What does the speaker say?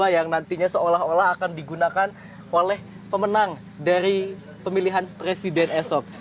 yang nantinya seolah olah akan digunakan oleh pemenang dari pemilihan presiden esok